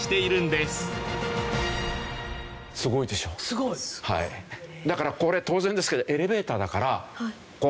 すごい！だからこれ当然ですけどエレベーターだから。